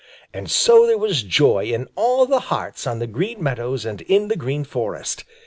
And so there was joy in all the hearts on the Green Meadows and in the Green Forest.